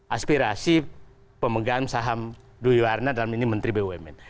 aspirasi pemegang saham duwi warna dalam ini menteri bumn